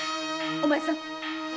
お前さん！